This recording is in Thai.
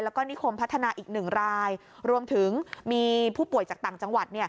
แล้วก็นิคมพัฒนาอีกหนึ่งรายรวมถึงมีผู้ป่วยจากต่างจังหวัด